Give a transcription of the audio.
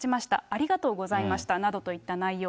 ありがとうございましたなどといった内容。